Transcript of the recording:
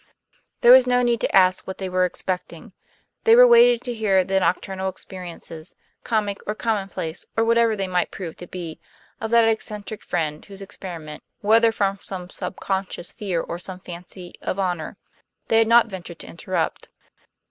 There was no need to ask what they were expecting. They were waiting to hear the nocturnal experiences, comic or commonplace or whatever they might prove to be, of that eccentric friend, whose experiment (whether from some subconscious fear or some fancy of honor) they had not ventured to interrupt.